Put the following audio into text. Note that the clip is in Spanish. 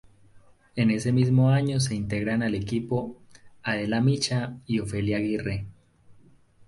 En ese mismo año se integran al equipo Adela Micha y Ofelia Aguirre.